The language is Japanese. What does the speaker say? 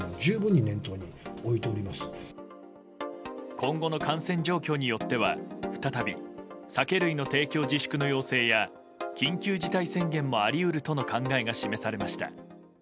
今後の感染状況によっては再び酒類の提供自粛の要請や緊急事態宣言もあり得るとの考えも示されました。